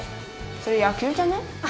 それ野球じゃね？